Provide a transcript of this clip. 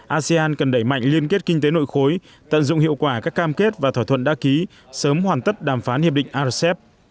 asean cần đẩy mạnh liên kết kinh tế nội khối tận dụng hiệu quả các cam kết và thỏa thuận đã ký sớm hoàn tất đàm phán hiệp định rcep